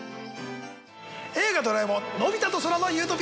『映画ドラえもんのび太と空の理想郷』。